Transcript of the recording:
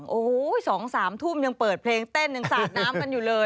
โอ้โห๒๓ทุ่มยังเปิดเพลงเต้นยังสาดน้ำกันอยู่เลย